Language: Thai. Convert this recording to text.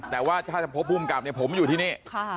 แต่ว่าถ้าจะพบภูมิกับเนี่ยผมอยู่ที่นี่